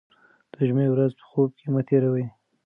د جمعې ورځ په خوب کې مه تېروه.